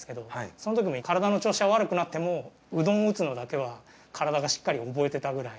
そのときに体の調子が悪くなってもうどんを打つのだけは体がしっかり覚えてたくらい。